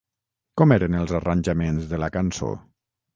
Com eren els arranjaments de la cançó?